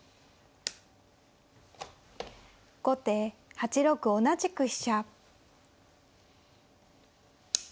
後手８六同じく飛車。